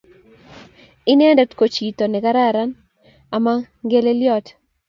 Inendete ko chito nekararan ama ngeleliot